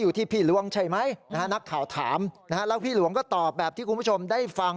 อยู่ที่พี่ร่องใช่ไหมนะครับเขาถามนะแล้วพี่หลวงก็ตอบแบบที่คุณผู้ชมได้ฟัง